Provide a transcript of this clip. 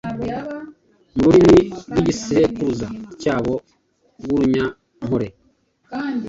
mu rurimi rw’igisekuruza cyabo rw’urunyankore,